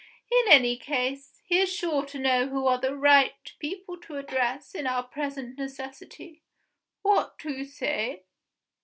In any case, he is sure to know who are the right people to address in our present necessity. What do you say?"